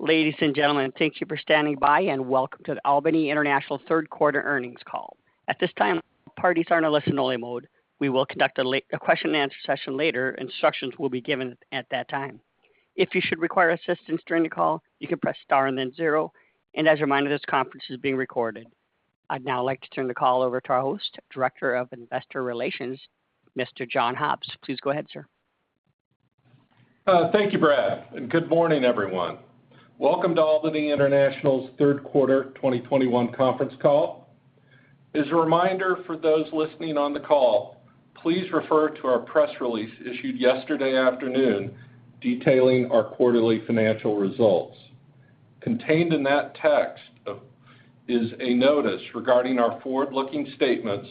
Ladies and gentlemen, thank you for standing by, and welcome to the Albany International third quarter earnings call. At this time, parties are in a listen-only mode. We will conduct a question-and-answer session later. Instructions will be given at that time. If you should require assistance during the call, you can press star and then zero. As a reminder, this conference is being recorded. I'd now like to turn the call over to our host, Director of Investor Relations, Mr. John Hobbs. Please go ahead, sir. Thank you, Brad, and good morning, everyone. Welcome to Albany International's third quarter 2021 conference call. As a reminder for those listening on the call, please refer to our press release issued yesterday afternoon detailing our quarterly financial results. Contained in that text is a notice regarding our forward-looking statements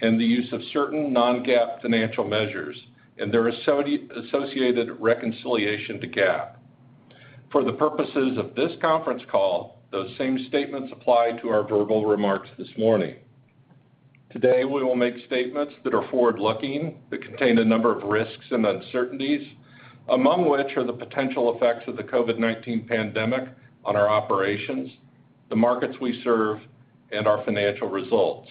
and the use of certain non-GAAP financial measures and their associated reconciliation to GAAP. For the purposes of this conference call, those same statements apply to our verbal remarks this morning. Today, we will make statements that are forward-looking that contain a number of risks and uncertainties, among which are the potential effects of the COVID-19 pandemic on our operations, the markets we serve, and our financial results.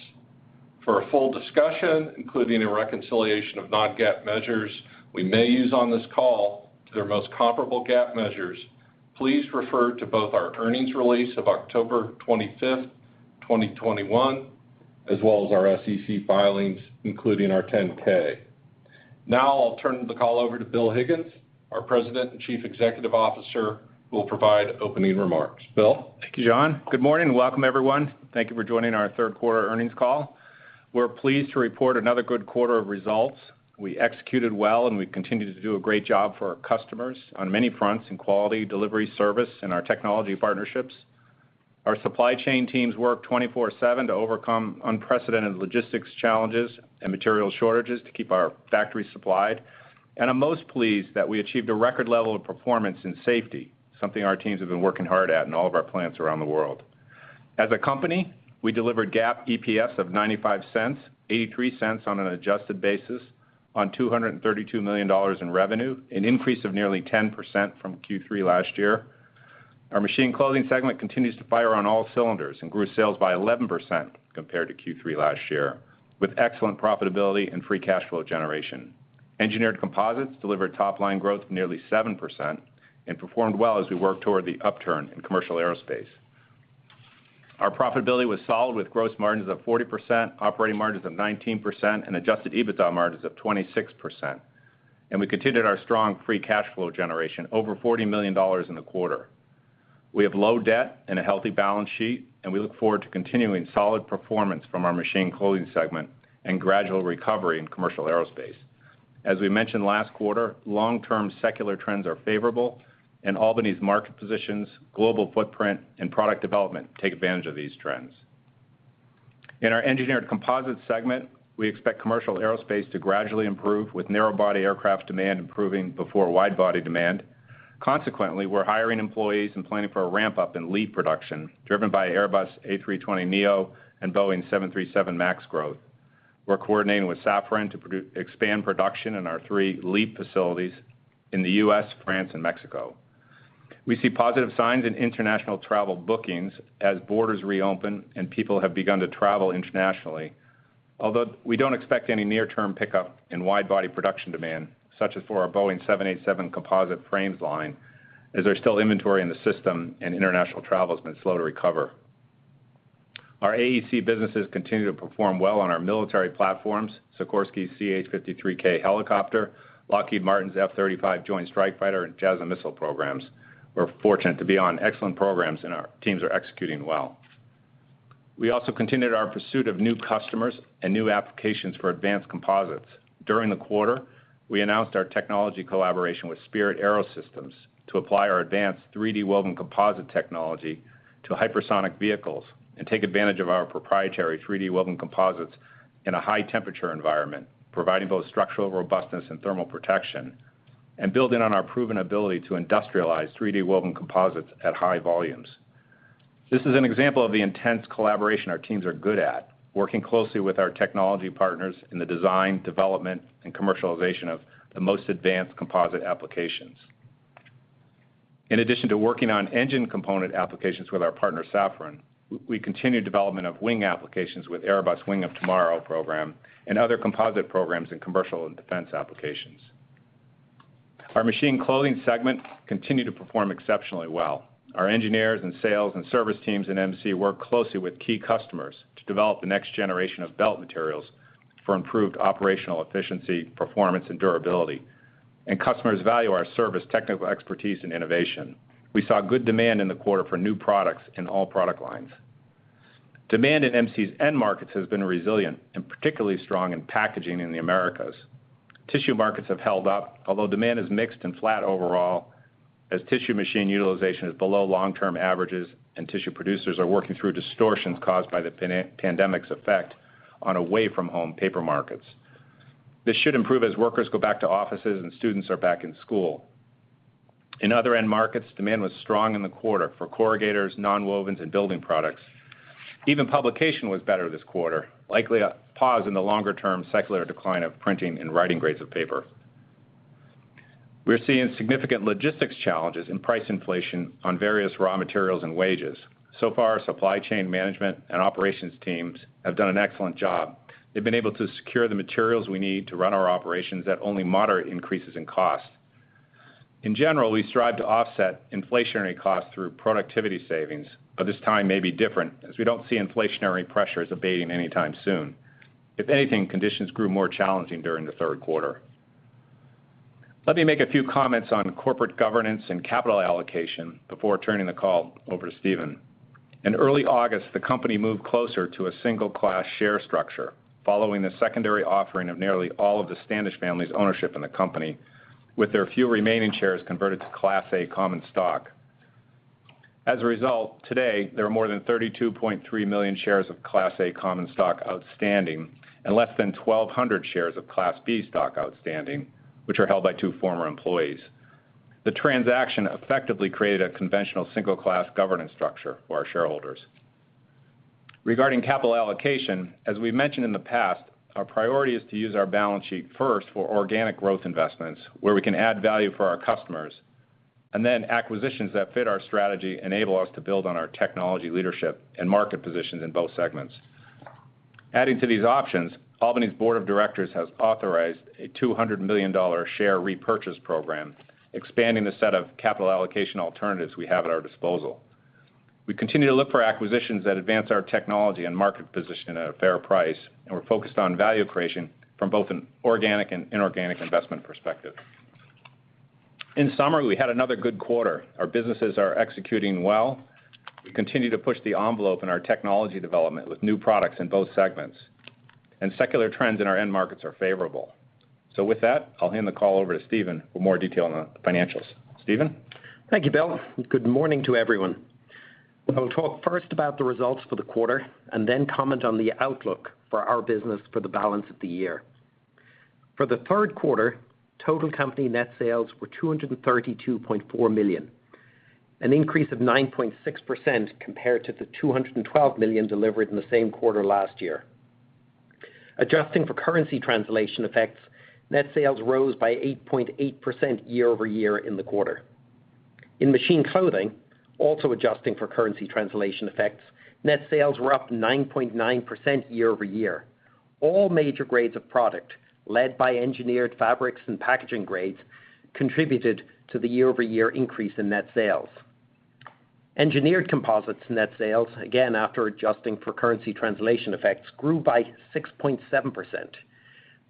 For a full discussion, including a reconciliation of non-GAAP measures we may use on this call to their most comparable GAAP measures, please refer to both our earnings release of October 25, 2021, as well as our SEC filings, including our 10-K. Now, I'll turn the call over to Bill Higgins, our President and Chief Executive Officer, who will provide opening remarks. Bill? Thank you, John. Good morning. Welcome, everyone. Thank you for joining our third quarter earnings call. We're pleased to report another good quarter of results. We executed well, and we continued to do a great job for our customers on many fronts in quality, delivery, service, and our technology partnerships. Our supply chain teams work 24/7 to overcome unprecedented logistics challenges and material shortages to keep our factories supplied. I'm most pleased that we achieved a record level of performance in safety, something our teams have been working hard at in all of our plants around the world. As a company, we delivered GAAP EPS of $0.95, $0.83 on an adjusted basis, on $232 million in revenue, an increase of nearly 10% from Q3 last year. Our Machine Clothing segment continues to fire on all cylinders and grew sales by 11% compared to Q3 last year, with excellent profitability and free cash flow generation. Engineered Composites delivered top-line growth of nearly 7% and performed well as we work toward the upturn in commercial aerospace. Our profitability was solid, with gross margins of 40%, operating margins of 19%, and adjusted EBITDA margins of 26%. We continued our strong free cash flow generation, over $40 million in the quarter. We have low debt and a healthy balance sheet, and we look forward to continuing solid performance from our Machine Clothing segment and gradual recovery in commercial aerospace. As we mentioned last quarter, long-term secular trends are favorable, and Albany's market positions, global footprint, and product development take advantage of these trends. In our Engineered Composites segment, we expect commercial aerospace to gradually improve, with narrow-body aircraft demand improving before wide-body demand. Consequently, we're hiring employees and planning for a ramp-up in LEAP production, driven by Airbus A320neo and Boeing 737 MAX growth. We're coordinating with Safran to expand production in our three LEAP facilities in the U.S., France, and Mexico. We see positive signs in international travel bookings as borders reopen and people have begun to travel internationally. Although we don't expect any near-term pickup in wide-body production demand, such as for our Boeing 787 composite frames line, as there's still inventory in the system and international travel has been slow to recover. Our AEC businesses continue to perform well on our military platforms, Sikorsky's CH-53K helicopter, Lockheed Martin's F-35 Joint Strike Fighter, and JASSM missile programs. We're fortunate to be on excellent programs, and our teams are executing well. We also continued our pursuit of new customers and new applications for advanced composites. During the quarter, we announced our technology collaboration with Spirit AeroSystems to apply our advanced 3D woven composite technology to hypersonic vehicles and take advantage of our proprietary 3D woven composites in a high-temperature environment, providing both structural robustness and thermal protection, and building on our proven ability to industrialize 3D woven composites at high volumes. This is an example of the intense collaboration our teams are good at, working closely with our technology partners in the design, development, and commercialization of the most advanced composite applications. In addition to working on engine component applications with our partner, Safran, we continue development of wing applications with Airbus Wing of Tomorrow program and other composite programs in commercial and defense applications. Our Machine Clothing segment continued to perform exceptionally well. Our engineers and sales and service teams in MC work closely with key customers to develop the next generation of belt materials for improved operational efficiency, performance, and durability. Customers value our service, technical expertise, and innovation. We saw good demand in the quarter for new products in all product lines. Demand in MC's end markets has been resilient and particularly strong in packaging in the Americas. Tissue markets have held up, although demand is mixed and flat overall as tissue machine utilization is below long-term averages and tissue producers are working through distortions caused by the pandemic's effect on away-from-home paper markets. This should improve as workers go back to offices and students are back in school. In other end markets, demand was strong in the quarter for corrugators, nonwovens, and building products. Even publication was better this quarter, likely to pause in the longer-term secular decline of printing and writing grades of paper. We're seeing significant logistics challenges and price inflation on various raw materials and wages. So far, supply chain management and operations teams have done an excellent job. They've been able to secure the materials we need to run our operations at only moderate increases in cost. In general, we strive to offset inflationary costs through productivity savings, but this time may be different as we don't see inflationary pressures abating anytime soon. If anything, conditions grew more challenging during the third quarter. Let me make a few comments on corporate governance and capital allocation before turning the call over to Stephen. In early August, the company moved closer to a single class share structure following the secondary offering of nearly all of the Standish family's ownership in the company, with their few remaining shares converted to Class A common stock. As a result, today, there are more than 32.3 million shares of Class A common stock outstanding and less than 1,200 shares of Class B stock outstanding, which are held by two former employees. The transaction effectively created a conventional single class governance structure for our shareholders. Regarding capital allocation, as we mentioned in the past, our priority is to use our balance sheet first for organic growth investments where we can add value for our customers, and then acquisitions that fit our strategy enable us to build on our technology leadership and market positions in both segments. Adding to these options, Albany's board of directors has authorized a $200 million share repurchase program, expanding the set of capital allocation alternatives we have at our disposal. We continue to look for acquisitions that advance our technology and market position at a fair price, and we're focused on value creation from both an organic and inorganic investment perspective. In summary, we had another good quarter. Our businesses are executing well. We continue to push the envelope in our technology development with new products in both segments. Secular trends in our end markets are favorable. With that, I'll hand the call over to Stephen for more detail on the financials. Stephen? Thank you, Bill. Good morning to everyone. I'll talk first about the results for the quarter, and then comment on the outlook for our business for the balance of the year. For the third quarter, total company net sales were $232.4 million, an increase of 9.6% compared to the $212 million delivered in the same quarter last year. Adjusting for currency translation effects, net sales rose by 8.8% year-over-year in the quarter. In Machine Clothing, also adjusting for currency translation effects, net sales were up 9.9% year-over-year. All major grades of product, led by Engineered Fabrics and packaging grades, contributed to the year-over-year increase in net sales. Engineered Composites net sales, again, after adjusting for currency translation effects, grew by 6.7%,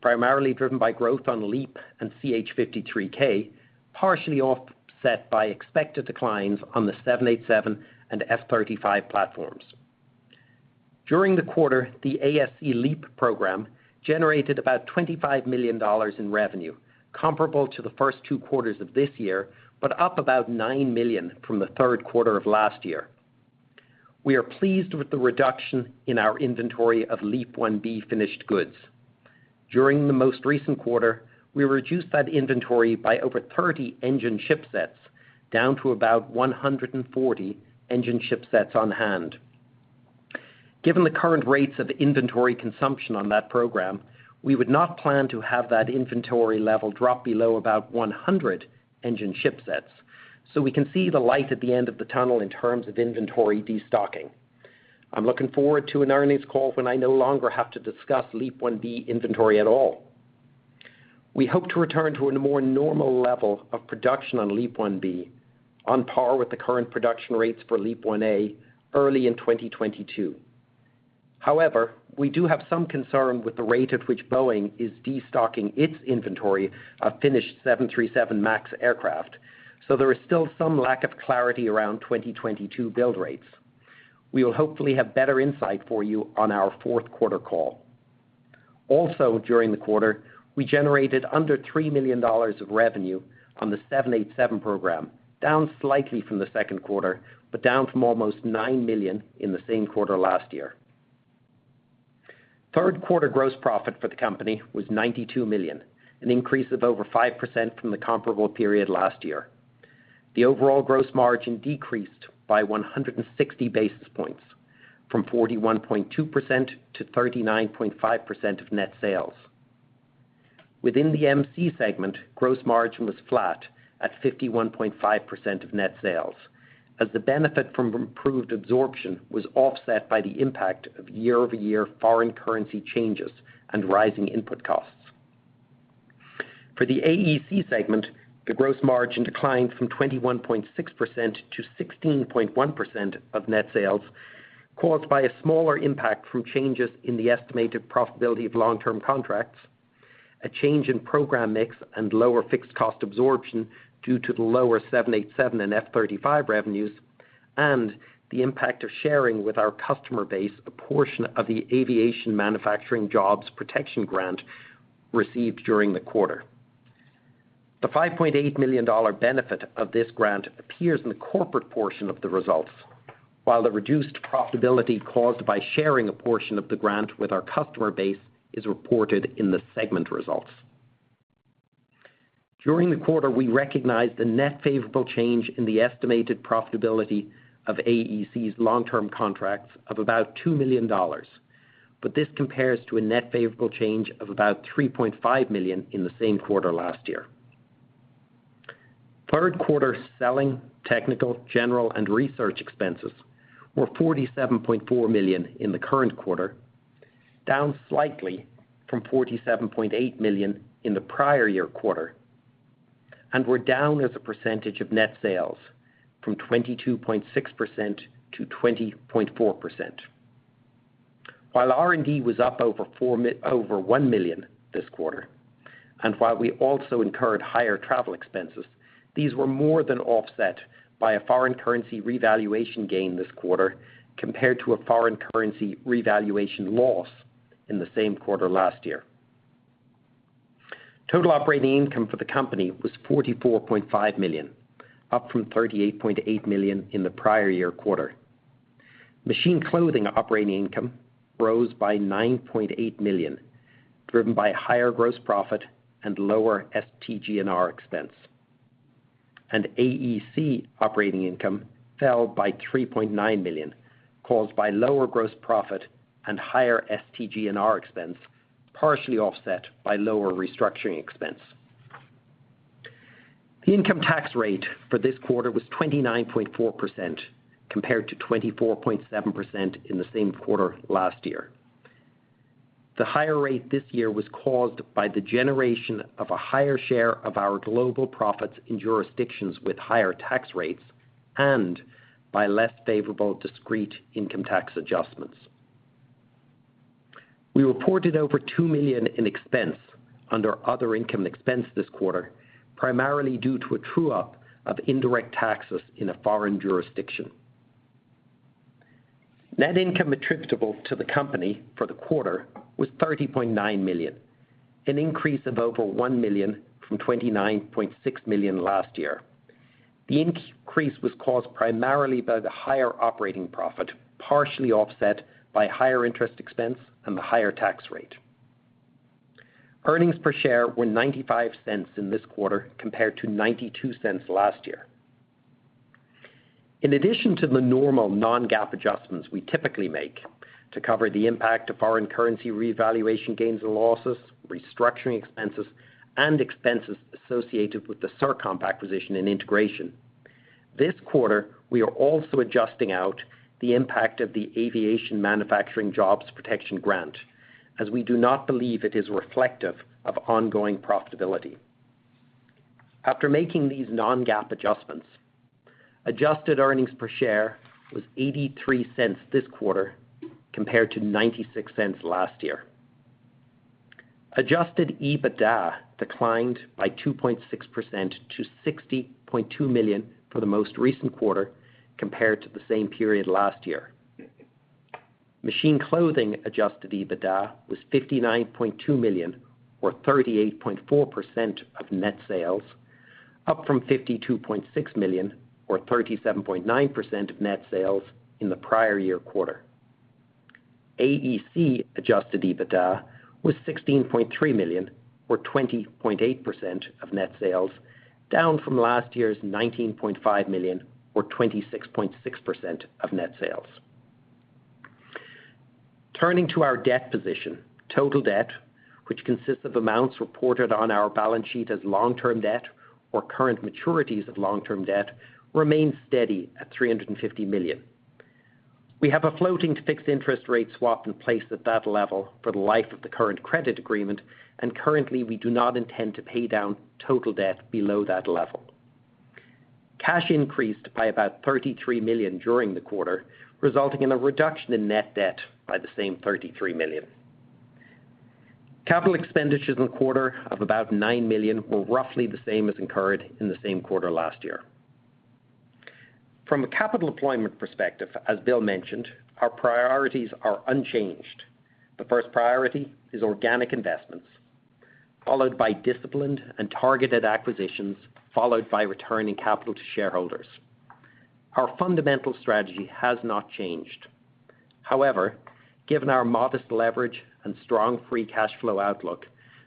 primarily driven by growth on LEAP and CH-53K, partially offset by expected declines on the 787 and F-35 platforms. During the quarter, the AEC LEAP program generated about $25 million in revenue, comparable to the first two quarters of this year, but up about $9 million from the third quarter of last year. We are pleased with the reduction in our inventory of LEAP-1B finished goods. During the most recent quarter, we reduced that inventory by over 30 engine ship sets down to about 140 engine ship sets on hand. Given the current rates of inventory consumption on that program, we would not plan to have that inventory level drop below about 100 engine ship sets, so we can see the light at the end of the tunnel in terms of inventory destocking. I'm looking forward to an earnings call when I no longer have to discuss LEAP-1B inventory at all. We hope to return to a more normal level of production on LEAP-1B on par with the current production rates for LEAP-1A early in 2022. However, we do have some concern with the rate at which Boeing is destocking its inventory of finished 737 MAX aircraft. There is still some lack of clarity around 2022 build rates. We will hopefully have better insight for you on our fourth quarter call. Also, during the quarter, we generated under $3 million of revenue on the 787 program, down slightly from the second quarter, but down from almost $9 million in the same quarter last year. Third quarter gross profit for the company was $92 million, an increase of over 5% from the comparable period last year. The overall gross margin decreased by 160 basis points from 41.2% to 39.5% of net sales. Within the MC segment, gross margin was flat at 51.5% of net sales, as the benefit from improved absorption was offset by the impact of year-over-year foreign currency changes and rising input costs. For the AEC segment, the gross margin declined from 21.6% to 16.1% of net sales, caused by a smaller impact from changes in the estimated profitability of long-term contracts, a change in program mix and lower fixed cost absorption due to the lower 787 and F-35 revenues, and the impact of sharing with our customer base a portion of the Aviation Manufacturing Jobs Protection grant received during the quarter. The $5.8 million benefit of this grant appears in the corporate portion of the results, while the reduced profitability caused by sharing a portion of the grant with our customer base is reported in the segment results. During the quarter, we recognized a net favorable change in the estimated profitability of AEC's long-term contracts of about $2 million. This compares to a net favorable change of about $3.5 million in the same quarter last year. Third quarter selling, technical, general, and research expenses were $47.4 million in the current quarter, down slightly from $47.8 million in the prior year quarter, and were down as a percentage of net sales from 22.6% to 20.4%. While R&D was up over $1 million this quarter, and while we also incurred higher travel expenses, these were more than offset by a foreign currency revaluation gain this quarter compared to a foreign currency revaluation loss in the same quarter last year. Total operating income for the company was $44.5 million, up from $38.8 million in the prior year quarter. Machine Clothing operating income rose by $9.8 million, driven by higher gross profit and lower STG&R expense. AEC operating income fell by $3.9 million, caused by lower gross profit and higher STG&R expense, partially offset by lower restructuring expense. The income tax rate for this quarter was 29.4%, compared to 24.7% in the same quarter last year. The higher rate this year was caused by the generation of a higher share of our global profits in jurisdictions with higher tax rates and by less favorable discrete income tax adjustments. We reported over $2 million in expense under other income expense this quarter, primarily due to a true-up of indirect taxes in a foreign jurisdiction. Net income attributable to the company for the quarter was $30.9 million, an increase of over $1 million from $29.6 million last year. The increase was caused primarily by the higher operating profit, partially offset by higher interest expense and the higher tax rate. Earnings per share were $0.95 in this quarter, compared to $0.92 last year. In addition to the normal non-GAAP adjustments we typically make to cover the impact of foreign currency revaluation gains and losses, restructuring expenses, and expenses associated with the CirComp acquisition and integration, this quarter, we are also adjusting out the impact of the Aviation Manufacturing Jobs Protection grant, as we do not believe it is reflective of ongoing profitability. After making these non-GAAP adjustments, adjusted earnings per share was $0.83 this quarter, compared to $0.96 last year. Adjusted EBITDA declined by 2.6% to $60.2 million for the most recent quarter, compared to the same period last year. Machine Clothing adjusted EBITDA was $59.2 million, or 38.4% of net sales, up from $52.6 million, or 37.9% of net sales in the prior year quarter. AEC adjusted EBITDA was $16.3 million, or 20.8% of net sales, down from last year's $19.5 million, or 26.6% of net sales. Turning to our debt position, total debt, which consists of amounts reported on our balance sheet as long-term debt or current maturities of long-term debt, remains steady at $350 million. We have a floating-to-fixed interest rate swap in place at that level for the life of the current credit agreement, and currently, we do not intend to pay down total debt below that level. Cash increased by about $33 million during the quarter, resulting in a reduction in net debt by the same $33 million. Capital expenditures in the quarter of about $9 million were roughly the same as incurred in the same quarter last year. From a capital deployment perspective, as Bill mentioned, our priorities are unchanged. The first priority is organic investments, followed by disciplined and targeted acquisitions, followed by returning capital to shareholders. Our fundamental strategy has not changed. However, given our modest leverage and strong free cash flow outlook,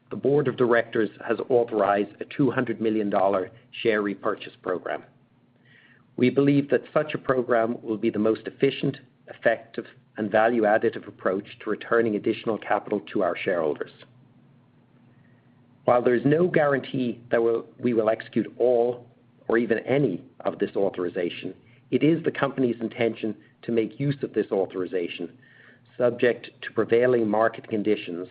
the board of directors has authorized a $200 million share repurchase program. We believe that such a program will be the most efficient, effective, and value-additive approach to returning additional capital to our shareholders. While there is no guarantee that we will execute all or even any of this authorization, it is the company's intention to make use of this authorization, subject to prevailing market conditions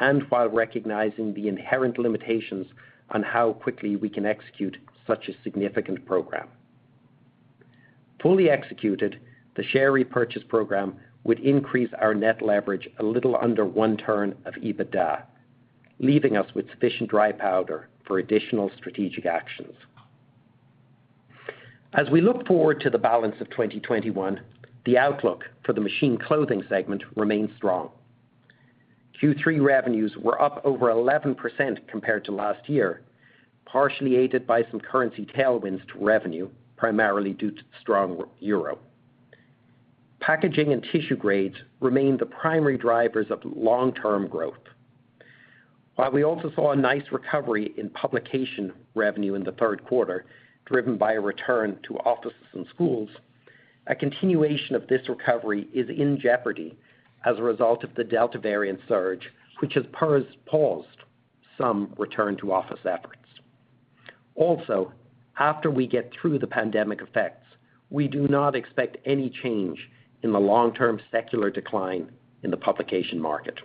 and while recognizing the inherent limitations on how quickly we can execute such a significant program. Fully executed, the share repurchase program would increase our net leverage a little under one turn of EBITDA, leaving us with sufficient dry powder for additional strategic actions. As we look forward to the balance of 2021, the outlook for the Machine Clothing segment remains strong. Q3 revenues were up over 11% compared to last year, partially aided by some currency tailwinds to revenue, primarily due to the strong Euro. Packaging and tissue grades remain the primary drivers of long-term growth. While we also saw a nice recovery in publication revenue in the third quarter, driven by a return to offices and schools, a continuation of this recovery is in jeopardy as a result of the Delta variant surge, which has paused some return to office efforts. Also, after we get through the pandemic effects, we do not expect any change in the long-term secular decline in the publication market.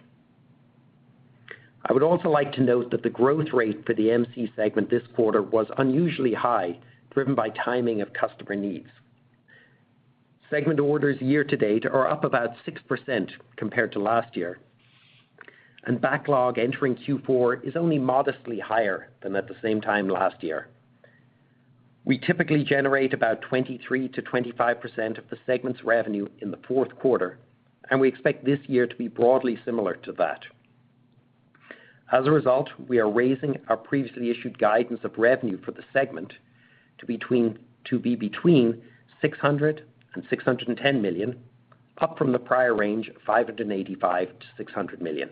I would also like to note that the growth rate for the MC segment this quarter was unusually high, driven by timing of customer needs. Segment orders year to date are up about 6% compared to last year, and backlog entering Q4 is only modestly higher than at the same time last year. We typically generate about 23%-25% of the segment's revenue in the fourth quarter, and we expect this year to be broadly similar to that. As a result, we are raising our previously issued guidance of revenue for the segment to be between $600 million-$610 million, up from the prior range of $585 million-$600 million.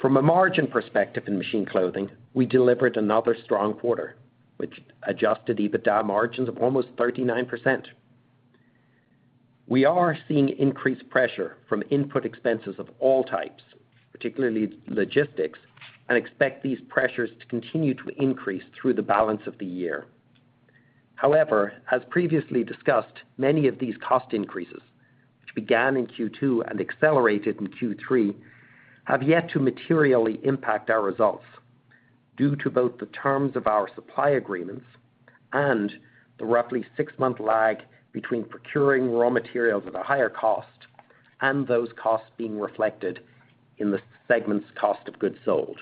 From a margin perspective in Machine Clothing, we delivered another strong quarter, with adjusted EBITDA margins of almost 39%. We are seeing increased pressure from input expenses of all types, particularly logistics, and expect these pressures to continue to increase through the balance of the year. However, as previously discussed, many of these cost increases, which began in Q2 and accelerated in Q3, have yet to materially impact our results due to both the terms of our supply agreements and the roughly six-month lag between procuring raw materials at a higher cost and those costs being reflected in the segment's cost of goods sold.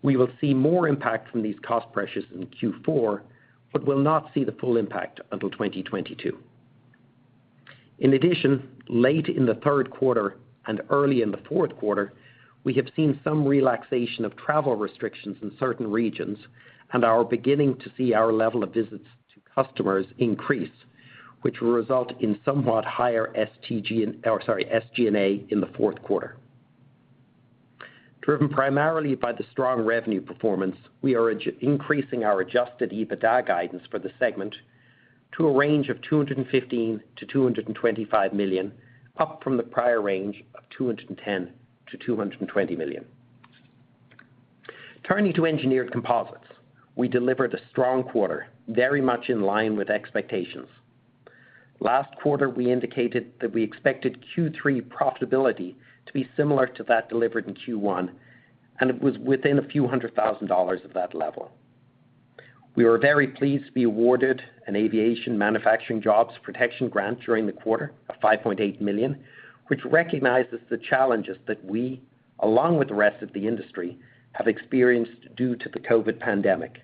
We will see more impact from these cost pressures in Q4, but will not see the full impact until 2022. In addition, late in the third quarter and early in the fourth quarter, we have seen some relaxation of travel restrictions in certain regions and are beginning to see our level of visits to customers increase, which will result in somewhat higher SG&A in the fourth quarter. Driven primarily by the strong revenue performance, we are increasing our adjusted EBITDA guidance for the segment to a range of $215 million-$225 million, up from the prior range of $210 million-$220 million. Turning to Engineered Composites, we delivered a strong quarter, very much in line with expectations. Last quarter, we indicated that we expected Q3 profitability to be similar to that delivered in Q1, and it was within a few hundred thousand dollars of that level. We were very pleased to be awarded an Aviation Manufacturing Jobs Protection grant during the quarter of $5.8 million, which recognizes the challenges that we, along with the rest of the industry, have experienced due to the COVID-19 pandemic.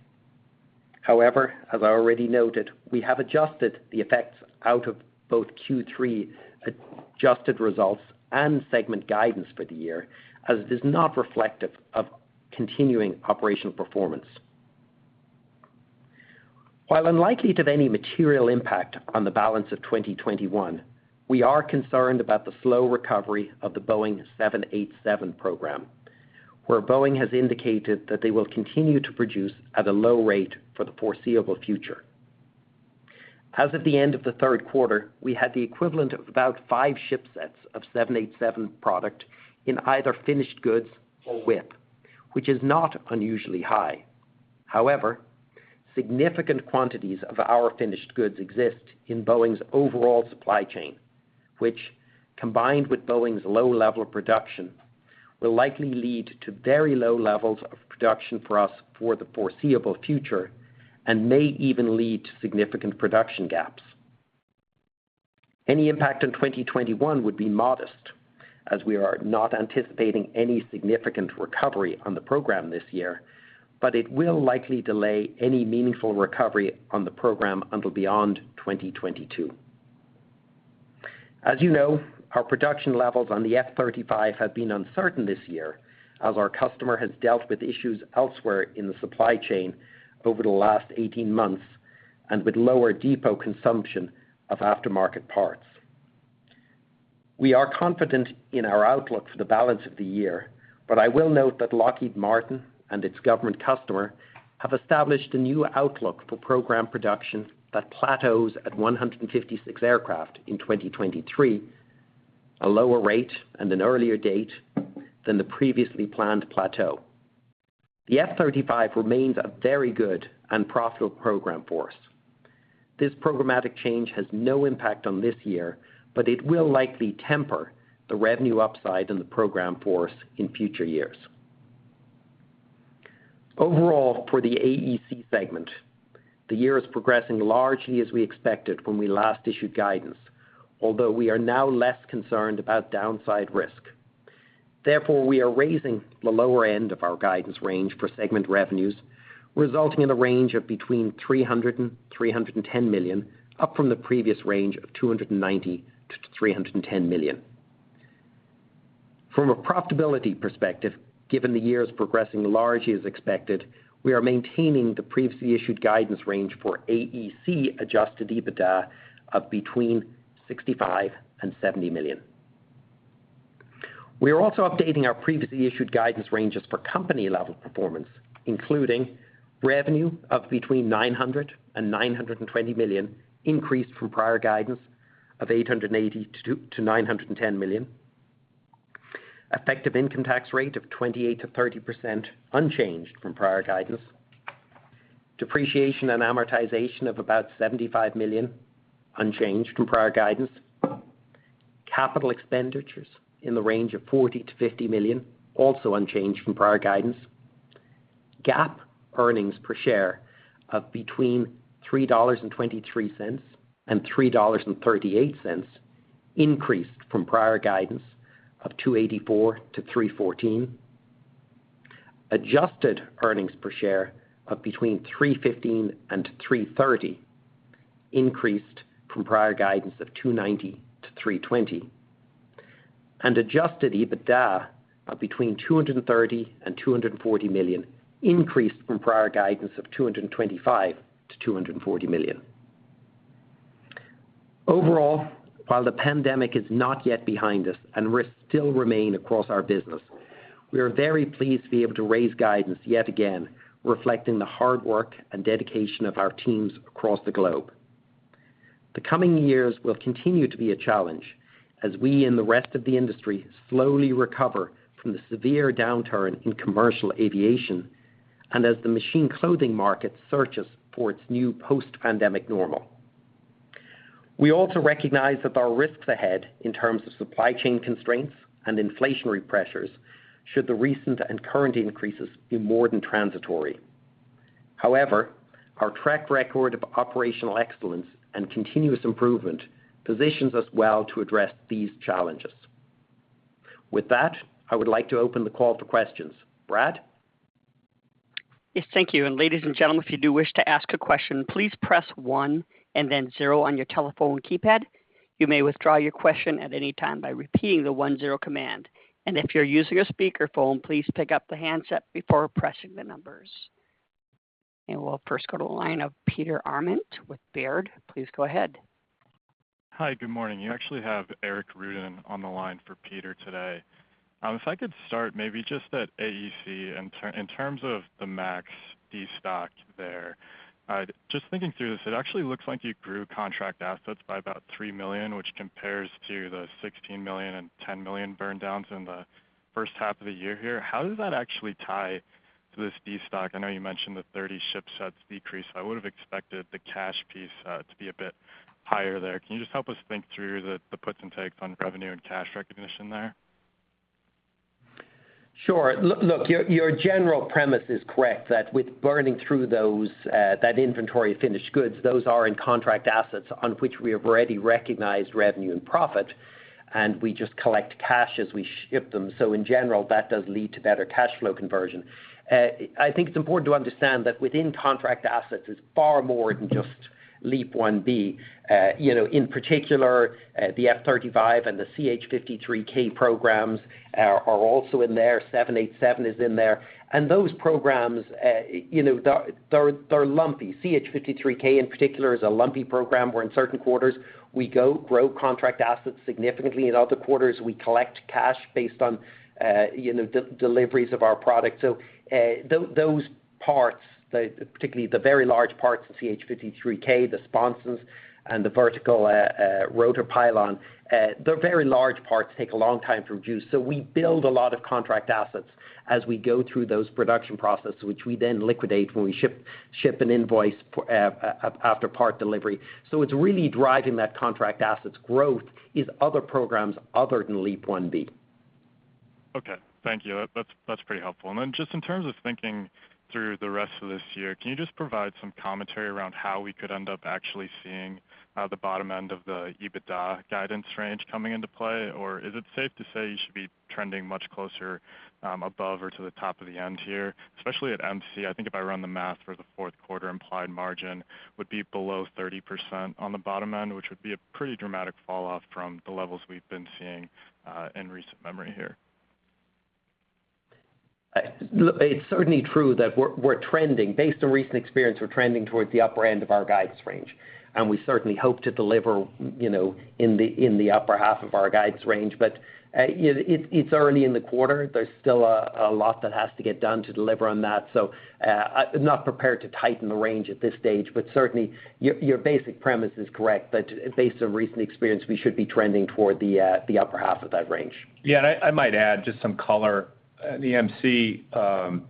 However, as I already noted, we have adjusted the effects out of both Q3 adjusted results and segment guidance for the year, as it is not reflective of continuing operational performance. While unlikely to have any material impact on the balance of 2021, we are concerned about the slow recovery of the Boeing 787 program, where Boeing has indicated that they will continue to produce at a low rate for the foreseeable future. As of the end of the third quarter, we had the equivalent of about five shipsets of 787 product in either finished goods or WIP, which is not unusually high. However, significant quantities of our finished goods exist in Boeing's overall supply chain, which, combined with Boeing's low level of production, will likely lead to very low levels of production for us for the foreseeable future and may even lead to significant production gaps. Any impact in 2021 would be modest, as we are not anticipating any significant recovery on the program this year, but it will likely delay any meaningful recovery on the program until beyond 2022. As you know, our production levels on the F-35 have been uncertain this year, as our customer has dealt with issues elsewhere in the supply chain over the last 18 months and with lower depot consumption of aftermarket parts. We are confident in our outlook for the balance of the year, but I will note that Lockheed Martin and its government customer have established a new outlook for program production that plateaus at 156 aircraft in 2023, a lower rate and an earlier date than the previously planned plateau. The F-35 remains a very good and profitable program for us. This programmatic change has no impact on this year, but it will likely temper the revenue upside in the program for us in future years. Overall, for the AEC segment, the year is progressing largely as we expected when we last issued guidance, although we are now less concerned about downside risk. Therefore, we are raising the lower end of our guidance range for segment revenues, resulting in a range of between $300 million and $310 million, up from the previous range of $290 million-$310 million. From a profitability perspective, given the year is progressing largely as expected, we are maintaining the previously issued guidance range for AEC adjusted EBITDA of between $65 million and $70 million. We are also updating our previously issued guidance ranges for company level performance, including revenue of between $900 million and $920 million, increased from prior guidance of $880 million-$910 million. Effective income tax rate of 28%-30%, unchanged from prior guidance. Depreciation and amortization of about $75 million, unchanged from prior guidance. Capital expenditures in the range of $40 million-$50 million, also unchanged from prior guidance. GAAP earnings per share of between $3.23 and $3.38, increased from prior guidance of $2.84-$3.14. Adjusted earnings per share of between $3.15 and $3.30, increased from prior guidance of $2.90-$3.20. Adjusted EBITDA of between $230 million and $240 million, increased from prior guidance of $225 million-$240 million. Overall, while the pandemic is not yet behind us and risks still remain across our business, we are very pleased to be able to raise guidance yet again, reflecting the hard work and dedication of our teams across the globe. The coming years will continue to be a challenge as we and the rest of the industry slowly recover from the severe downturn in commercial aviation and as the Machine Clothing market searches for its new post-pandemic normal. We also recognize that there are risks ahead in terms of supply chain constraints and inflationary pressures should the recent and current increases be more than transitory. However, our track record of operational excellence and continuous improvement positions us well to address these challenges. With that, I would like to open the call for questions. Brad? Yes. Thank you. Ladies and gentlemen, if you do wish to ask a question, please press 1 and then 0 on your telephone keypad. You may withdraw your question at any time by repeating the 1-0 command. If you're using a speakerphone, please pick up the handset before pressing the numbers. We'll first go to the line of Peter Arment with Baird. Please go ahead. Hi. Good morning. You actually have Eric Ruden on the line for Peter today. If I could start maybe just at AEC in terms of the MAX D stock there. Just thinking through this, it actually looks like you grew contract assets by about $3 million, which compares to the $16 million and $10 million burn downs in the first half of the year here. How does that actually tie to this D stock? I know you mentioned the 30 shipsets decrease. I would have expected the cash piece to be a bit higher there. Can you just help us think through the puts and takes on revenue and cash recognition there? Sure. Look, your general premise is correct that with burning through those that inventory of finished goods, those are in contract assets on which we have already recognized revenue and profit, and we just collect cash as we ship them. In general, that does lead to better cash flow conversion. I think it's important to understand that within contract assets is far more than just LEAP-1B. You know, in particular, the F-35 and the CH-53K programs are also in there. 787 is in there. Those programs, you know, they're lumpy. CH-53K in particular is a lumpy program, where in certain quarters we grow contract assets significantly. In other quarters, we collect cash based on, you know, deliveries of our product. Those parts, particularly the very large parts in CH-53K, the sponsons and the vertical rotor pylon, they're very large parts, take a long time to produce. We build a lot of contract assets as we go through those production processes, which we then liquidate when we ship an invoice after part delivery. What's really driving that contract assets growth is other programs other than LEAP-1B. Okay. Thank you. That's pretty helpful. Just in terms of thinking through the rest of this year, can you just provide some commentary around how we could end up actually seeing the bottom end of the EBITDA guidance range coming into play? Or is it safe to say you should be trending much closer above or to the top of the end here? Especially at MC, I think if I run the math for the fourth quarter, implied margin would be below 30% on the bottom end, which would be a pretty dramatic fall off from the levels we've been seeing in recent memory here. Look, it's certainly true that based on recent experience, we're trending toward the upper end of our guidance range, and we certainly hope to deliver, you know, in the upper half of our guidance range. You know, it's early in the quarter. There's still a lot that has to get done to deliver on that. I'm not prepared to tighten the range at this stage. Certainly your basic premise is correct that based on recent experience, we should be trending toward the upper half of that range. Yeah. I might add just some color. In the MC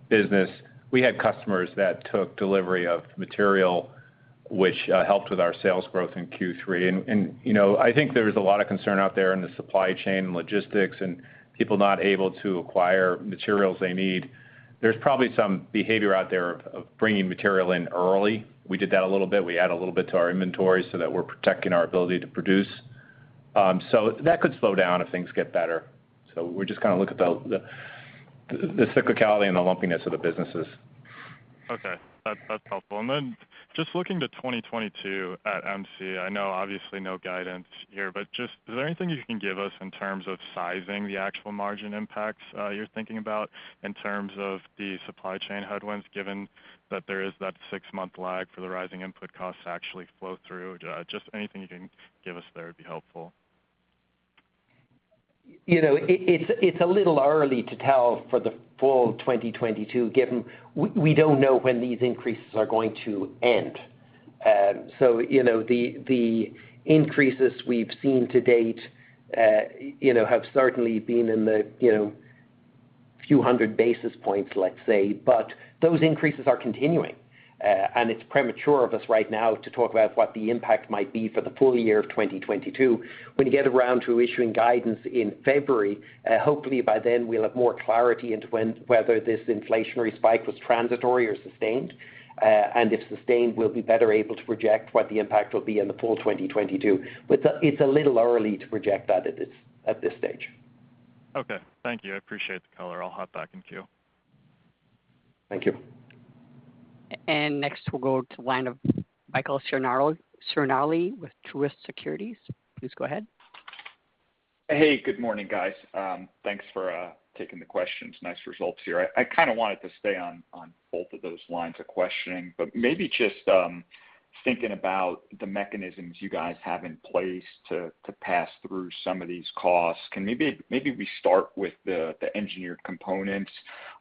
business, we had customers that took delivery of material which helped with our sales growth in Q3. you know, I think there's a lot of concern out there in the supply chain and logistics and people not able to acquire materials they need. There's probably some behavior out there of bringing material in early. We did that a little bit. We add a little bit to our inventory so that we're protecting our ability to produce. that could slow down if things get better. We're just gonna look at the cyclicality and the lumpiness of the businesses. Okay. That's helpful. Just looking to 2022 at MC, I know obviously no guidance here, but is there anything you can give us in terms of sizing the actual margin impacts you're thinking about in terms of the supply chain headwinds, given that there is that six-month lag for the rising input costs to actually flow through? Just anything you can give us there would be helpful. You know, it's a little early to tell for the full 2022, given we don't know when these increases are going to end. You know, the increases we've seen to date, you know, have certainly been in the few hundred basis points, let's say. Those increases are continuing. It's premature of us right now to talk about what the impact might be for the full year of 2022. When you get around to issuing guidance in February, hopefully by then we'll have more clarity into whether this inflationary spike was transitory or sustained. If sustained, we'll be better able to project what the impact will be in the full 2022. It's a little early to project that at this stage. Okay. Thank you. I appreciate the color. I'll hop back in queue. Thank you. Next, we'll go to the line of Michael Ciarmoli with Truist Securities. Please go ahead. Hey, good morning, guys. Thanks for taking the questions. Nice results here. I kind of wanted to stay on both of those lines of questioning, but maybe just thinking about the mechanisms you guys have in place to pass through some of these costs. Can maybe we start with the Engineered Composites.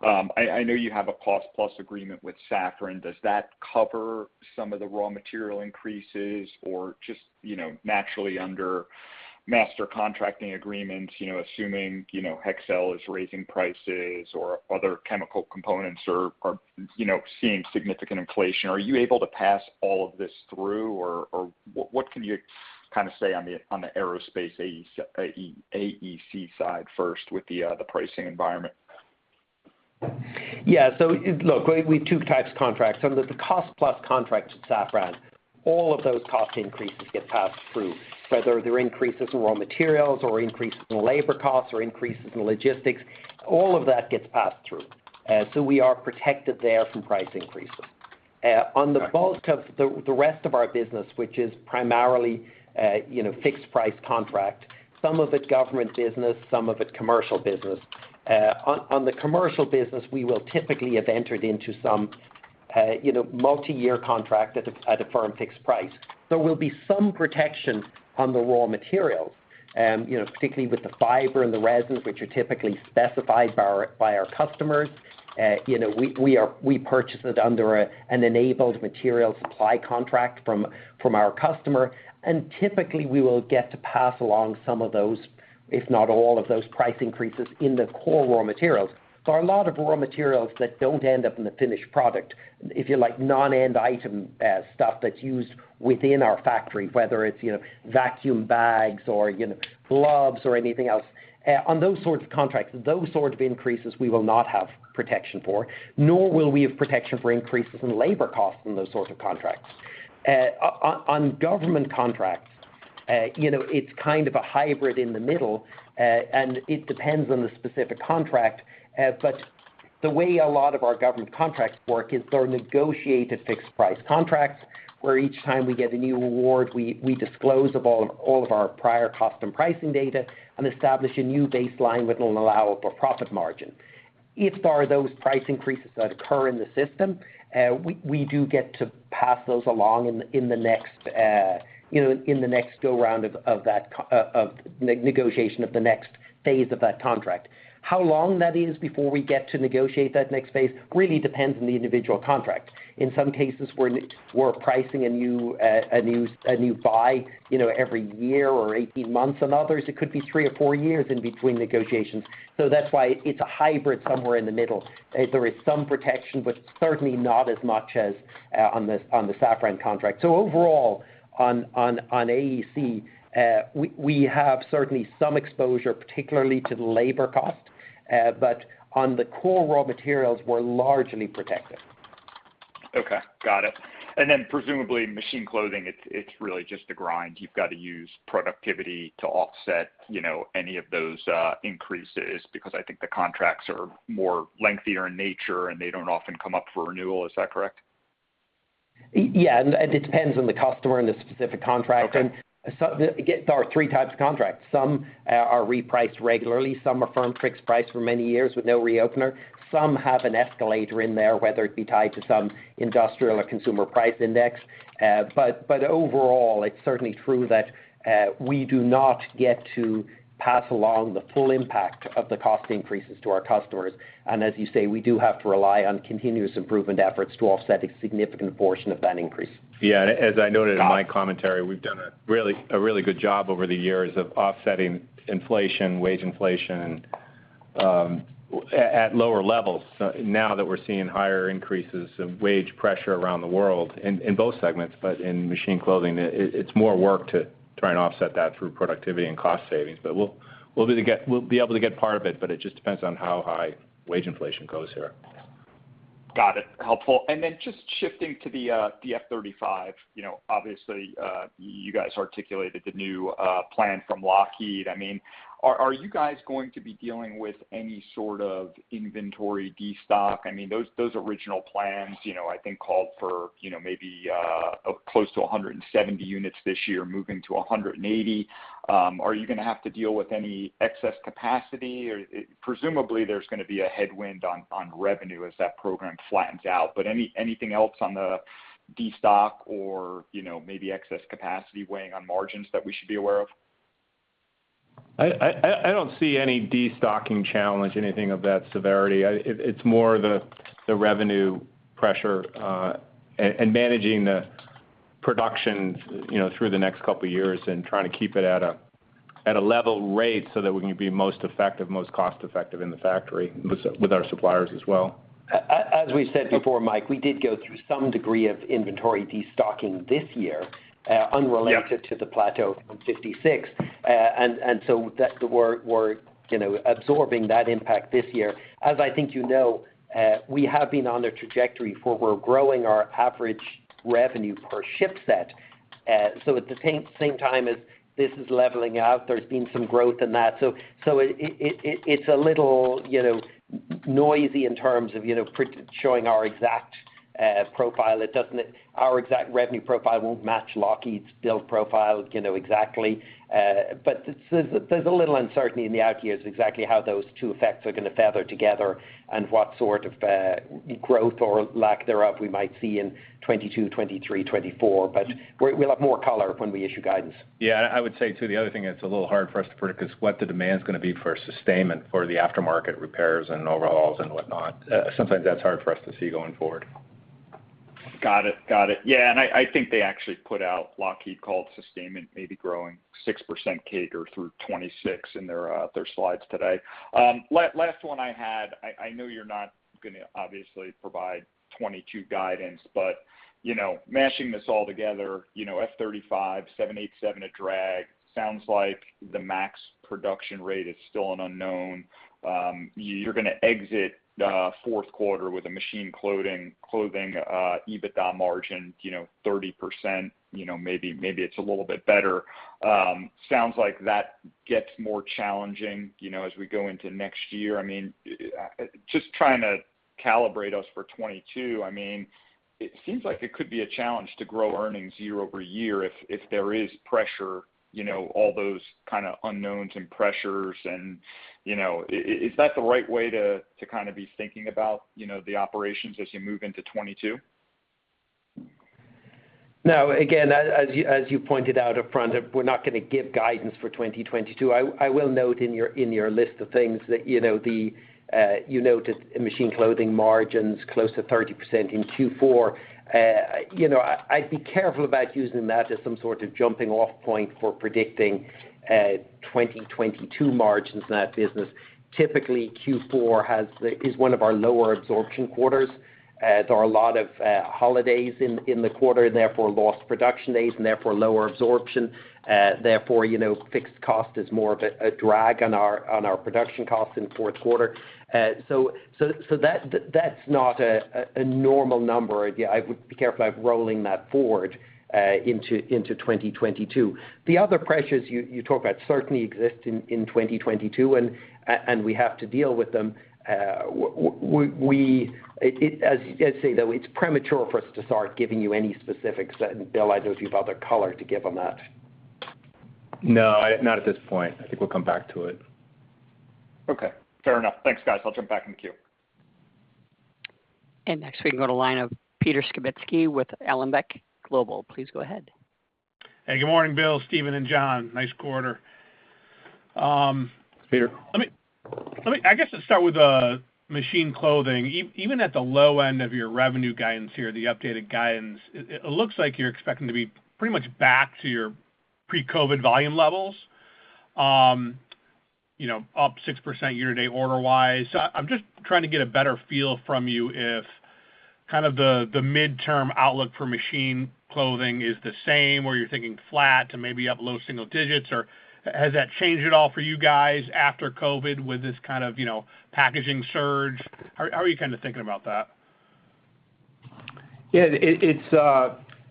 I know you have a cost-plus agreement with Safran. Does that cover some of the raw material increases? Or just you know naturally under master contracting agreements you know assuming you know Hexcel is raising prices or other chemical components are you know seeing significant inflation, are you able to pass all of this through? Or what can you kind of say on the aerospace AEC side first with the pricing environment? Yeah. Look, we have two types of contracts. Under the cost-plus contracts with Safran, all of those cost increases get passed through, whether they're increases in raw materials or increases in labor costs or increases in logistics. All of that gets passed through. We are protected there from price increases. On the bulk of the rest of our business, which is primarily, you know, fixed price contract, some of it government business, some of it commercial business. On the commercial business, we will typically have entered into some, you know, multiyear contract at a firm fixed price. There will be some protection on the raw materials, you know, particularly with the fiber and the resins, which are typically specified by our customers. You know, we purchase it under an enabled material supply contract from our customer, and typically, we will get to pass along some of those, if not all of those, price increases in the core raw materials. There are a lot of raw materials that don't end up in the finished product. If you like, non-end item stuff that's used within our factory, whether it's, you know, vacuum bags or, you know, gloves or anything else. On those sorts of contracts, those sorts of increases we will not have protection for, nor will we have protection for increases in labor costs in those sorts of contracts. On government contracts, you know, it's kind of a hybrid in the middle, and it depends on the specific contract. The way a lot of our government contracts work is they're negotiated fixed price contracts, where each time we get a new award, we disclose all of our prior cost and pricing data and establish a new baseline with an allowable profit margin. If there are those price increases that occur in the system, we do get to pass those along in the next go round of that negotiation of the next phase of that contract. How long that is before we get to negotiate that next phase really depends on the individual contract. In some cases, we're pricing a new buy, you know, every year or 18 months. In others, it could be three or four years in between negotiations. That's why it's a hybrid somewhere in the middle. There is some protection, but certainly not as much as on the Safran contract. Overall, on AEC, we have certainly some exposure, particularly to the labor cost. But on the core raw materials, we're largely protected. Okay. Got it. Presumably Machine Clothing, it's really just a grind. You've got to use productivity to offset, you know, any of those increases, because I think the contracts are more lengthier in nature, and they don't often come up for renewal. Is that correct? Yeah, it depends on the customer and the specific contract. Okay. Again, there are three types of contracts. Some are repriced regularly, some are firm fixed price for many years with no reopener. Some have an escalator in there, whether it be tied to some industrial or consumer price index. But overall, it's certainly true that we do not get to pass along the full impact of the cost increases to our customers. As you say, we do have to rely on continuous improvement efforts to offset a significant portion of that increase. Yeah. As I noted in my commentary, we've done a really good job over the years of offsetting inflation, wage inflation, at lower levels. Now that we're seeing higher increases of wage pressure around the world in both segments, but in Machine Clothing, it's more work to try and offset that through productivity and cost savings. We'll be able to get part of it, but it just depends on how high wage inflation goes here. Got it. Helpful. Then just shifting to the F-35, you know, obviously, you guys articulated the new plan from Lockheed. I mean, are you guys going to be dealing with any sort of inventory destock? I mean, those original plans, you know, I think called for, you know, maybe close to 170 units this year moving to 180. Are you gonna have to deal with any excess capacity? Or presumably, there's gonna be a headwind on revenue as that program flattens out. Anything else on the destock or, you know, maybe excess capacity weighing on margins that we should be aware of? I don't see any destocking challenge, anything of that severity. It's more the revenue pressure and managing the production, you know, through the next couple of years and trying to keep it at a level rate so that we can be most effective, most cost-effective in the factory with our suppliers as well. As we said before, Mike, we did go through some degree of inventory destocking this year, unrelated- Yeah... to the plateau on 56. That we're, you know, absorbing that impact this year. As I think you know, we have been on a trajectory where we're growing our average revenue per ship set. At the same time as this is leveling out, there's been some growth in that. It's a little, you know, noisy in terms of, you know, precisely showing our exact profile. Our exact revenue profile won't match Lockheed's build profile, you know, exactly. There's a little uncertainty in the out years exactly how those two effects are gonna feather together and what sort of growth or lack thereof we might see in 2022, 2023, 2024. We'll have more color when we issue guidance. Yeah. I would say, too, the other thing that's a little hard for us to predict is what the demand's gonna be for sustainment for the aftermarket repairs and overhauls and whatnot. Sometimes that's hard for us to see going forward. Got it. Yeah, I think they actually put out, Lockheed called sustainment maybe growing 6% CAGR through 2026 in their slides today. Last one I had, I know you're not gonna obviously provide 2022 guidance, but you know, mashing this all together, you know, F-35, 787, A320. Sounds like the MAX production rate is still an unknown. You're gonna exit fourth quarter with a Machine Clothing EBITDA margin, you know, 30%, you know, maybe it's a little bit better. Sounds like that gets more challenging, you know, as we go into next year. I mean, just trying to calibrate us for 2022, I mean, it seems like it could be a challenge to grow earnings year over year if there is pressure, you know, all those kinda unknowns and pressures and, you know. Is that the right way to kinda be thinking about, you know, the operations as you move into 2022? No. Again, as you pointed out up front, we're not gonna give guidance for 2022. I will note in your list of things that you noted Machine Clothing margins close to 30% in Q4. I'd be careful about using that as some sort of jumping-off point for predicting 2022 margins in that business. Typically, Q4 is one of our lower absorption quarters. There are a lot of holidays in the quarter, therefore, lost production days, and therefore, lower absorption. Therefore, fixed cost is more of a drag on our production costs in fourth quarter. So that's not a normal number. Yeah, I would be careful about rolling that forward into 2022. The other pressures you talk about certainly exist in 2022, and we have to deal with them. As I say, though, it's premature for us to start giving you any specifics. Bill, I don't know if you have other color to give on that. No, not at this point. I think we'll come back to it. Okay, fair enough. Thanks, guys. I'll jump back in the queue. Next, we can go to line of Peter Skibitski with Alembic Global Advisors. Please go ahead. Hey, good morning, Bill, Stephen, and John. Nice quarter. Peter. Let me, I guess, just start with Machine Clothing. Even at the low end of your revenue guidance here, the updated guidance, it looks like you're expecting to be pretty much back to your pre-COVID volume levels, you know, up 6% year-to-date order-wise. I'm just trying to get a better feel from you if kind of the midterm outlook for Machine Clothing is the same, or you're thinking flat to maybe up low single digits, or has that changed at all for you guys after COVID with this kind of, you know, packaging surge? How are you kinda thinking about that? Yeah.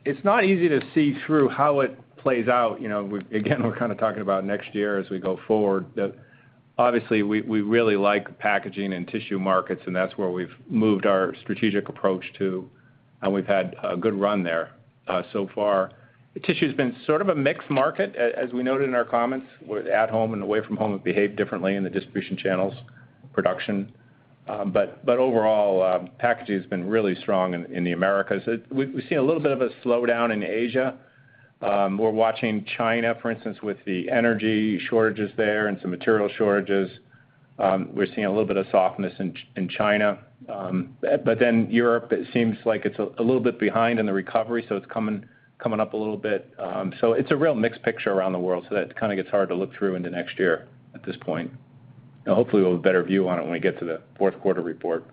It's not easy to see through how it plays out. You know, again, we're kind of talking about next year as we go forward. Obviously, we really like packaging and tissue markets, and that's where we've moved our strategic approach to, and we've had a good run there so far. Tissue's been sort of a mixed market, as we noted in our comments, with at home and away from home have behaved differently in the distribution channels production. Overall, packaging has been really strong in the Americas. We've seen a little bit of a slowdown in Asia. We're watching China, for instance, with the energy shortages there and some material shortages. We're seeing a little bit of softness in China. Europe, it seems like it's a little bit behind in the recovery, so it's coming up a little bit. It's a real mixed picture around the world. That kinda gets hard to look through into next year at this point. Hopefully, we'll have a better view on it when we get to the fourth quarter report.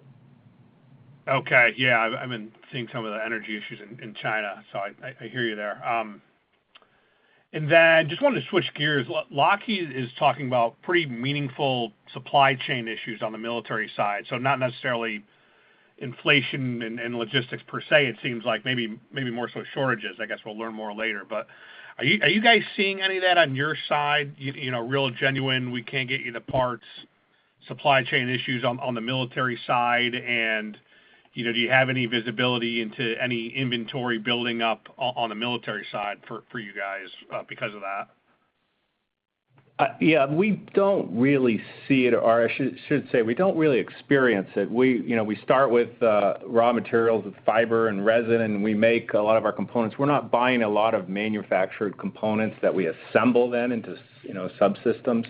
Okay. Yeah. I mean, I've seen some of the energy issues in China, so I hear you there. Then just wanted to switch gears. Lockheed is talking about pretty meaningful supply chain issues on the military side. So not necessarily inflation and logistics per se. It seems like maybe more so shortages. I guess we'll learn more later. But are you guys seeing any of that on your side? You know, real genuine, we can't get the parts, supply chain issues on the military side. You know, do you have any visibility into any inventory building up on the military side for you guys because of that? Yeah, we don't really see it, or I should say we don't really experience it. You know, we start with raw materials with fiber and resin, and we make a lot of our components. We're not buying a lot of manufactured components that we assemble them into, you know, subsystems.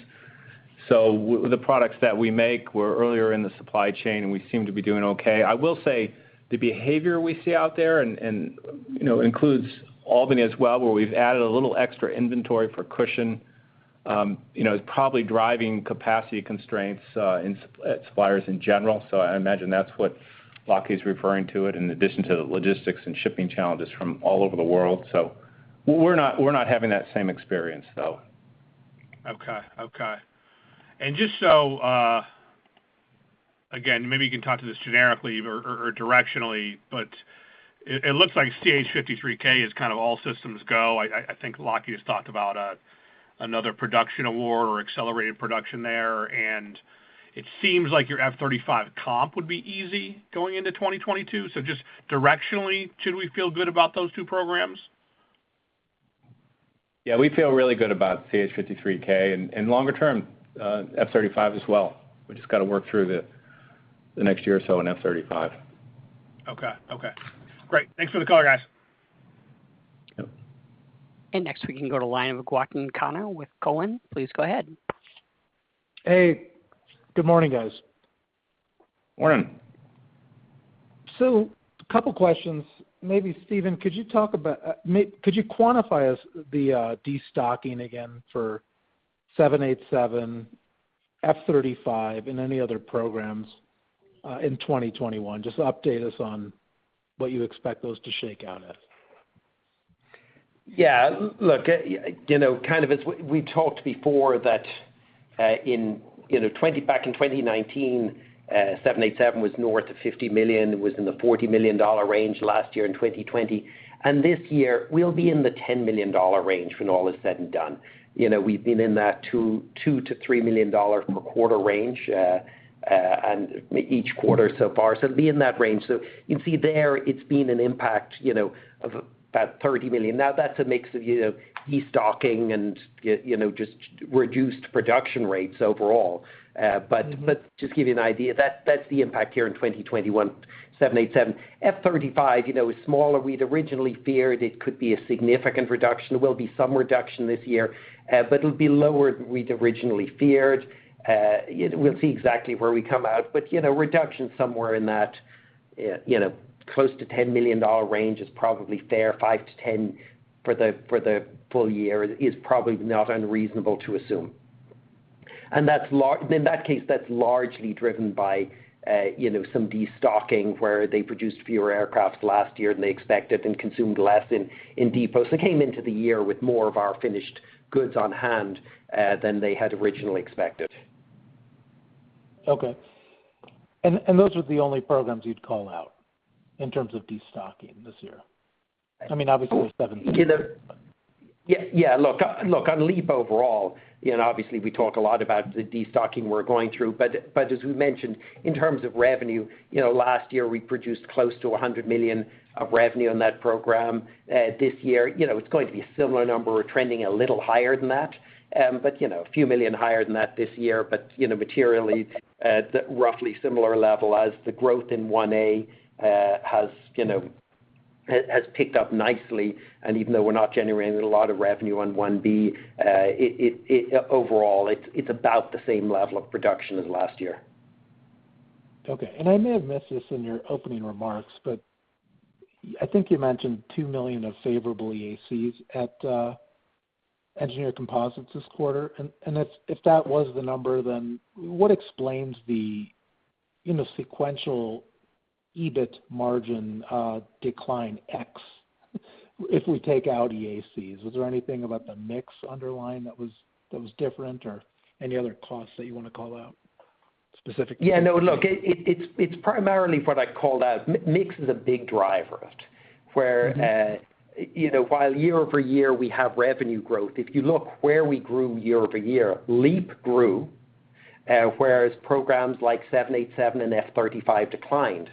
The products that we make were earlier in the supply chain, and we seem to be doing okay. I will say the behavior we see out there and, you know, includes Albany as well, where we've added a little extra inventory for cushion, you know, is probably driving capacity constraints at suppliers in general. I imagine that's what Lockheed's referring to, in addition to the logistics and shipping challenges from all over the world. We're not having that same experience, though. Just so, again, maybe you can talk to this generically or directionally, but it looks like CH-53K is kind of all systems go. I think Lockheed has talked about another production award or accelerated production there, and it seems like your F-35 comp would be easy going into 2022. Just directionally, should we feel good about those two programs? Yeah, we feel really good about CH-53K and longer term, F-35 as well. We just gotta work through the next year or so in F-35. Okay. Great. Thanks for the color, guys. Yep. Next, we can go to the line of Gautam Khanna with Cowen. Please go ahead. Hey, good morning, guys. Morning. A couple questions. Maybe Stephen, could you quantify the destocking again for 787, F-35 and any other programs in 2021? Just update us on what you expect those to shake out as. Yeah. Look, you know, as we talked before that, in, you know, back in 2019, 787 was north of $50 million. It was in the $40 million range last year in 2020. This year we'll be in the $10 million range when all is said and done. You know, we've been in that $2-$3 million per quarter range and each quarter so far. So we'll be in that range. So you can see there, it's been an impact, you know, of about $30 million. Now, that's a mix of, you know, destocking and, you know, just reduced production rates overall. But just give you an idea, that's the impact here in 2021, 787. F-35, you know, is smaller. We'd originally feared it could be a significant reduction. There will be some reduction this year, but it'll be lower than we'd originally feared. You know, we'll see exactly where we come out, but, you know, reduction somewhere in that, you know, close to $10 million range is probably fair, $5 million-$10 million for the full year is probably not unreasonable to assume. In that case, that's largely driven by, you know, some destocking where they produced fewer aircraft last year than they expected and consumed less in depots. They came into the year with more of our finished goods on hand than they had originally expected. Okay. Those are the only programs you'd call out in terms of destocking this year? I mean, obviously seven- You know. Yeah. Yeah. Look on LEAP overall, you know, obviously, we talk a lot about the destocking we're going through, but as we mentioned, in terms of revenue, you know, last year, we produced close to $100 million of revenue on that program. This year, you know, it's going to be a similar number. We're trending a little higher than that. But, you know, a few $ million higher than that this year. But, you know, materially, the roughly similar level as the growth in LEAP-1A has picked up nicely. And even though we're not generating a lot of revenue on LEAP-1B, it overall, it's about the same level of production as last year. Okay. I may have missed this in your opening remarks, but I think you mentioned $2 million of favorable EACs at Engineered Composites this quarter. If that was the number, then what explains the, you know, sequential EBIT margin decline ex if we take out EACs? Was there anything about the mix underlying that was different or any other costs that you wanna call out specifically? Yeah, no, look, it's primarily what I called out. Mix is a big driver of it, where- Mm-hmm You know, while year over year, we have revenue growth. If you look where we grew year over year, LEAP grew, whereas programs like 787 and F-35 declined.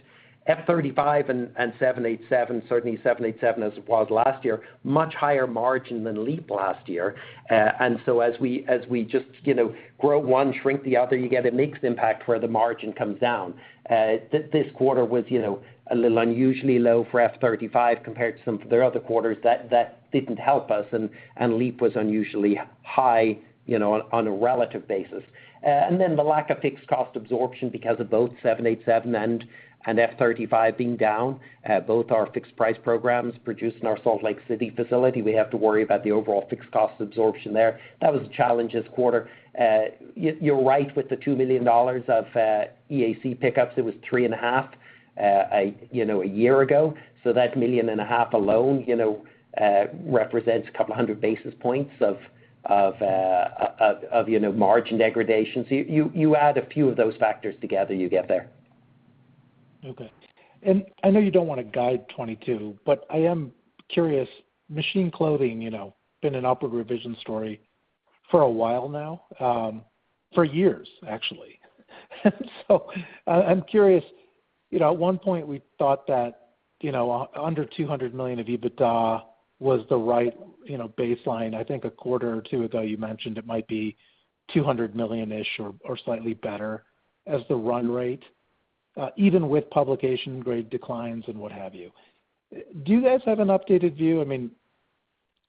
F-35 and 787, certainly 787 as it was last year, much higher margin than LEAP last year. And so as we just, you know, grow one, shrink the other, you get a mixed impact where the margin comes down. This quarter was, you know, a little unusually low for F-35 compared to some of their other quarters that didn't help us. LEAP was unusually high, you know, on a relative basis. And then the lack of fixed cost absorption because of both 787 and F-35 being down. Both are fixed price programs produced in our Salt Lake City facility. We have to worry about the overall fixed cost absorption there. That was a challenge this quarter. You're right with the $2 million of EAC pickups. It was $3.5 million a year ago. That $1.5 million alone, you know, represents a couple hundred basis points of margin degradation. You add a few of those factors together, you get there. Okay. I know you don't wanna guide 2022, but I am curious. Machine Clothing, you know, been an upward revision story for a while now, for years actually. I'm curious, you know, at one point we thought that, you know, under $200 million of EBITDA was the right, you know, baseline. I think a quarter or two ago, you mentioned it might be $200 million-ish or slightly better as the run rate, even with publication grade declines and what have you. Do you guys have an updated view? I mean,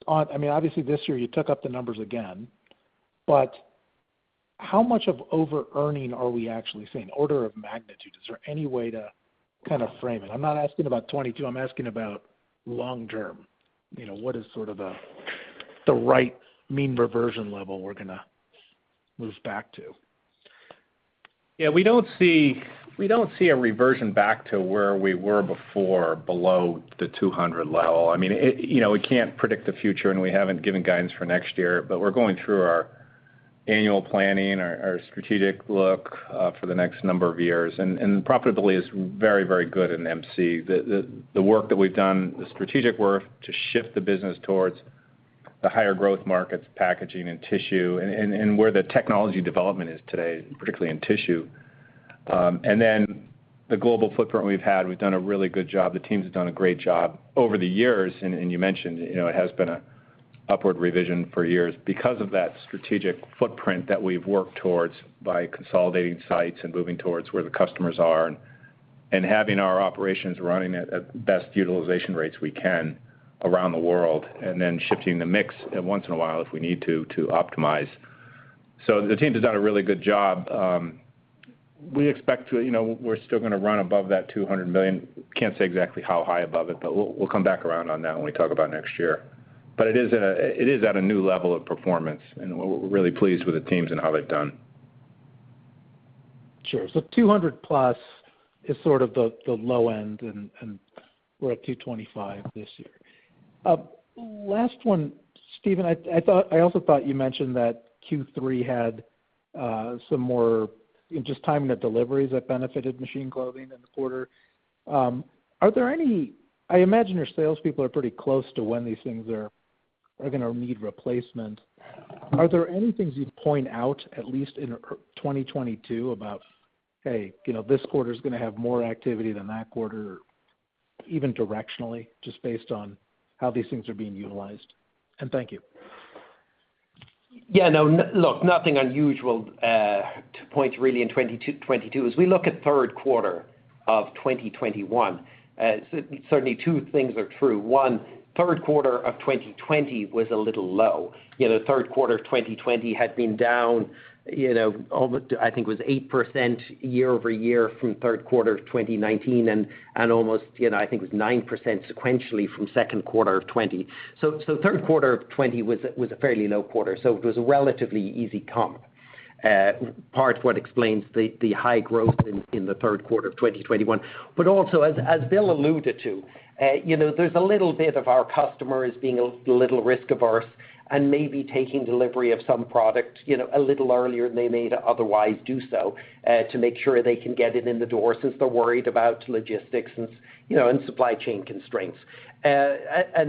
I mean, obviously this year you took up the numbers again, but how much of overearning are we actually seeing, order of magnitude? Is there any way to kind of frame it? I'm not asking about 2022, I'm asking about long term, you know. What is sort of the right mean reversion level we're gonna move back to? Yeah. We don't see a reversion back to where we were before below the 200 level. I mean, you know, we can't predict the future, and we haven't given guidance for next year, but we're going through our annual planning, our strategic look for the next number of years. Profitability is very, very good in MC. The work that we've done, the strategic work to shift the business towards the higher growth markets, packaging and tissue and where the technology development is today, particularly in tissue. Then the global footprint we've had, we've done a really good job. The teams have done a great job over the years. You mentioned, you know, it has been a upward revision for years because of that strategic footprint that we've worked towards by consolidating sites and moving towards where the customers are and having our operations running at best utilization rates we can around the world, and then shifting the mix once in a while if we need to to optimize. The team has done a really good job. You know, we're still gonna run above that $200 million. Can't say exactly how high above it, but we'll come back around on that when we talk about next year. It is at a new level of performance, and we're really pleased with the teams and how they've done. Sure. 200+ is sort of the low end, and we're at 225 this year. Last one, Stephen. I also thought you mentioned that Q3 had some more, just timing of deliveries that benefited Machine Clothing in the quarter. I imagine your salespeople are pretty close to when these things are gonna need replacement. Are there any things you'd point out at least in 2022 about, "Hey, you know, this quarter's gonna have more activity than that quarter," even directionally, just based on how these things are being utilized? Thank you. No, nothing unusual to point to really in 2022. As we look at third quarter of 2021, certainly two things are true. One, third quarter of 2020 was a little low. You know, third quarter 2020 had been down. You know, I think it was 8% year-over-year from third quarter 2019 and almost, you know, I think it was 9% sequentially from second quarter of 2020. Third quarter of 2020 was a fairly low quarter, so it was a relatively easy comp, part of what explains the high growth in the third quarter of 2021. Also as Bill alluded to, you know, there's a little bit of our customers being a little risk averse and maybe taking delivery of some product, you know, a little earlier than they may otherwise do so, to make sure they can get it in the door since they're worried about logistics and, you know, and supply chain constraints. That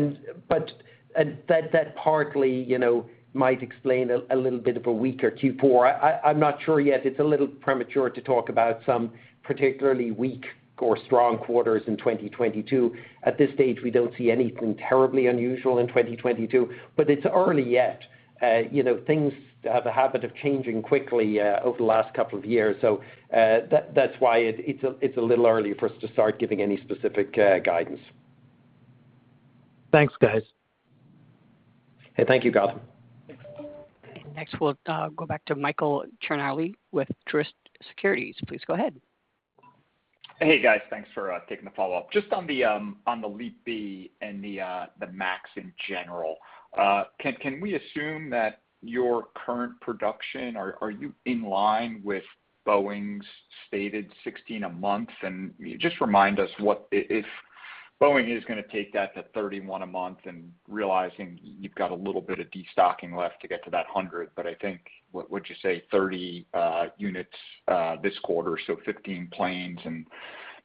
partly, you know, might explain a little bit of a weaker Q4. I'm not sure yet. It's a little premature to talk about some particularly weak or strong quarters in 2022. At this stage, we don't see anything terribly unusual in 2022, but it's early yet. You know, things have a habit of changing quickly over the last couple of years. That's why it's a little early for us to start giving any specific guidance. Thanks, guys. Hey, thank you, Gautam. Next we'll go back to Michael Ciarmoli with Truist Securities. Please go ahead. Hey, guys. Thanks for taking the follow-up. Just on the LEAP-1B and the Max in general, can we assume that your current production. Are you in line with Boeing's stated 16 a month? And just remind us what if Boeing is gonna take that to 31 a month and realizing you've got a little bit of destocking left to get to that 100, but I think, what would you say, 30 units this quarter, so 15 planes and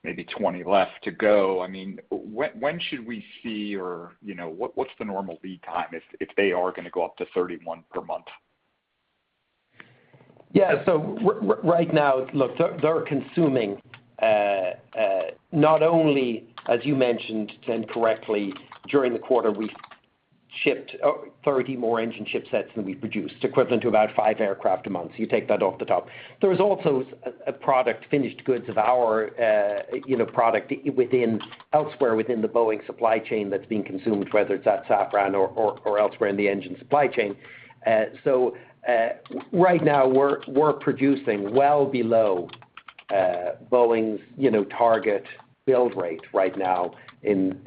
maybe 20 left to go. I mean, when should we see or, you know, what's the normal LEAP time if they are gonna go up to 31 per month? Yeah. Right now, look, they're consuming not only, as you mentioned, and correctly, during the quarter we shipped 30 more engine ship sets than we produced, equivalent to about 5 aircraft a month. You take that off the top. There is also a product, finished goods of our, you know, product elsewhere within the Boeing supply chain that's being consumed, whether it's at Safran or elsewhere in the engine supply chain. Right now we're producing well below Boeing's target build rate right now in.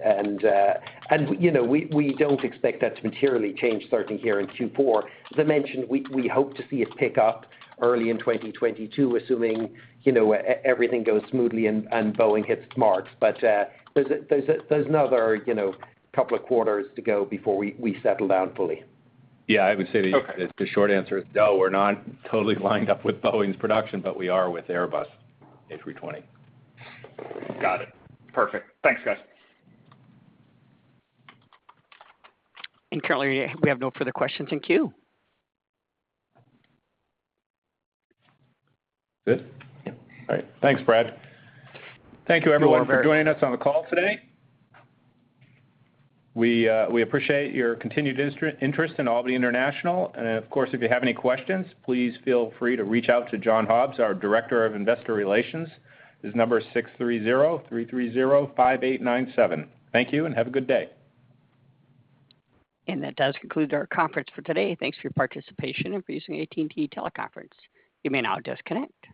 You know, we don't expect that to materially change starting here in Q4. As I mentioned, we hope to see it pick up early in 2022, assuming, you know, everything goes smoothly and Boeing hits its marks. There's another, you know, couple of quarters to go before we settle down fully. Yeah. I would say the. Okay The short answer is no, we're not totally lined up with Boeing's production, but we are with Airbus A320. Got it. Perfect. Thanks, guys. Currently we have no further questions in queue. Good? All right. Thanks, Brad. Thank you everyone for joining us on the call today. We appreciate your continued interest in Albany International. Of course, if you have any questions, please feel free to reach out to John Hobbs, our Director of Investor Relations. His number is 630-330-5897. Thank you, and have a good day. That does conclude our conference for today. Thanks for your participation and for using AT&T Teleconference. You may now disconnect.